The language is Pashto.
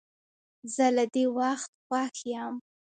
زه له دې وخت خوښ یم.